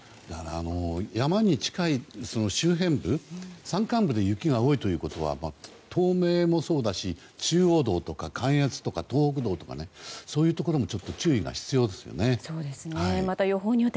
山に近い周辺部、山間部で雪が多いということは東名もそうだし、中央道とか関越とか東北道とかそういうところでも注意が必要ですよね。